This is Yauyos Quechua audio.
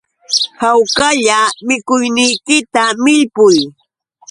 Hawkalla mikuyniykita millpuy